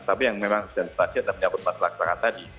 tapi yang memang dan spasial adalah menyebut masalah kemarganya